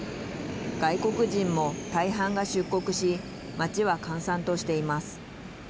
外国人も大半が出国し街は閑散としています。